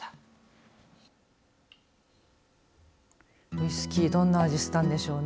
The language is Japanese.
ウイスキーどんな味したんでしょうね。